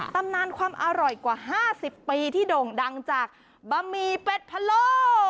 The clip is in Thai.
ตำนานความอร่อยกว่า๕๐ปีที่โด่งดังจากบะหมี่เป็ดพะโล